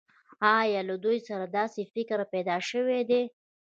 آیا له دوی سره داسې فکر پیدا شوی دی